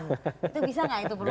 itu bisa gak itu peluangnya